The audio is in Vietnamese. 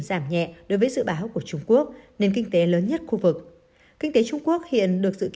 giảm nhẹ đối với dự báo của trung quốc nền kinh tế lớn nhất khu vực kinh tế trung quốc hiện được dự